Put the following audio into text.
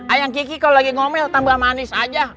ayam kiki kalau lagi ngomel tambah manis aja